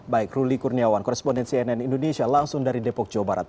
baik ruli kurniawan koresponden cnn indonesia langsung dari depok jawa barat